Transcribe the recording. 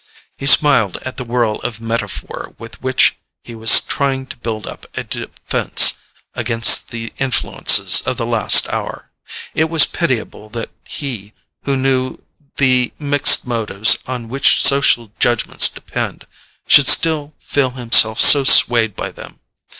He smiled at the whirl of metaphor with which he was trying to build up a defence against the influences of the last hour. It was pitiable that he, who knew the mixed motives on which social judgments depend, should still feel himself so swayed by them.